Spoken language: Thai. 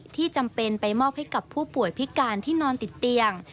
จำเป็นไปมอบให้กับผู้ป่วยพิการที่นอนติดเตียง